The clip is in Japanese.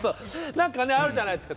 何かねあるじゃないですか。